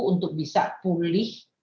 untuk bisa pulih